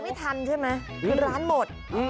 ไม่ทันใช่ไหมคือร้านหมด